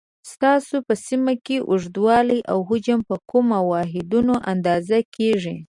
ستاسو په سیمه کې اوږدوالی او حجم په کومو واحدونو اندازه کېږي؟